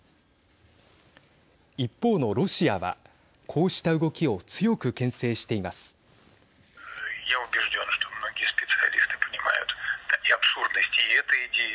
一方のロシアはこうした動きを強くけん制しています。